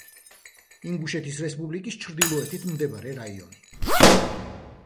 ინგუშეთის რესპუბლიკის ჩრდილოეთით მდებარე რაიონი.